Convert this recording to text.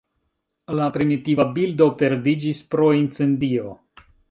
La primitiva bildo perdiĝis pro incendio.